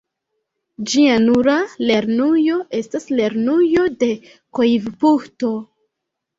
Ĝia nura lernujo estas Lernujo de Koivupuhto.